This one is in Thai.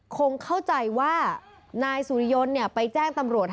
คงเข้าใจว่านายสุริยนต์ไปแจ้งตำรวจ